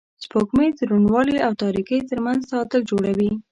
سپوږمۍ د روڼوالي او تاریکۍ تر منځ تعادل جوړوي